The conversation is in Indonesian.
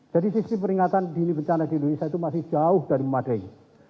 jadi sisi peringatan dini bencana di indonesia itu masih jauh dari memadai